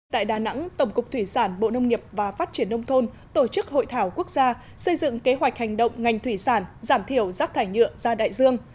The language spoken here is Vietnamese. tại đà nẵng tổng cục thủy sản bộ nông nghiệp và phát triển nông thôn tổ chức hội thảo quốc gia xây dựng kế hoạch hành động ngành thủy sản giảm thiểu rác thải nhựa ra đại dương